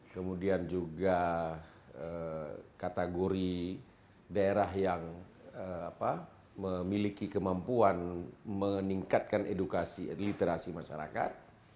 kemudian juga kategori daerah yang memiliki kemampuan meningkatkan edukasi literasi masyarakat